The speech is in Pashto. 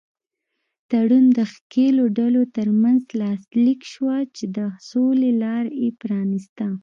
تړون د ښکېلو ډلو تر منځ لاسلیک شوه چې د سولې لاره یې پرانیسته.